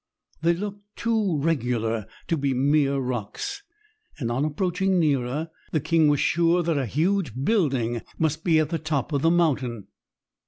They looked too regular to be mere rocks, and on approaching nearer the king was sure that a huge building must be at the top of the mountain.